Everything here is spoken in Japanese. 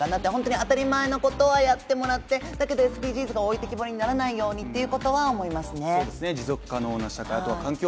当たり前のことはやってもらってだけどＳＤＧｓが置いてけぼりにならないようにとは思いますね。